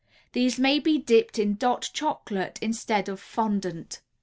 These may be dipped in "Dot" Chocolate instead of fondant.